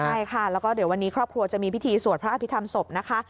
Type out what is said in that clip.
ใช่ค่ะแล้วก็เดี๋ยววันนี้ครอบครัวจะมีพิธีสวดพระอภิษฐรรมศพนะคะ